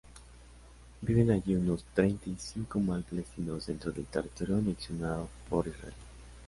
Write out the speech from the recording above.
Viven allí unos treinta y cinco mil palestinos, dentro del territorio anexionado por Israel.